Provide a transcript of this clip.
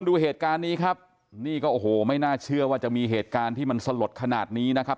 ดูเหตุการณ์นี้ครับนี่ก็โอ้โหไม่น่าเชื่อว่าจะมีเหตุการณ์ที่มันสลดขนาดนี้นะครับ